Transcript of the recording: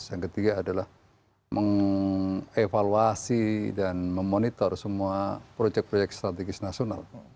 yang ketiga adalah mengevaluasi dan memonitor semua proyek proyek strategis nasional